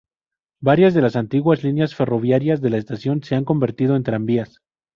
Varias de las antiguas líneas ferroviarias de la estación se han convertido en tranvías.